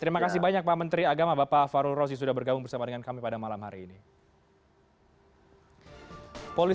terima kasih banyak pak menteri agama bapak farul rozi sudah bergabung bersama dengan kami pada malam hari ini